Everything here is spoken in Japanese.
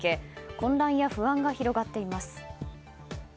混乱や不安が広がっています。